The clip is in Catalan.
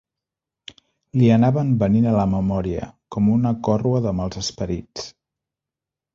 Li anaven venint a la memòria, com una corrua de mals esperits